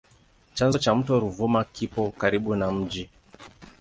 Chanzo cha mto Ruvuma kipo karibu na mji.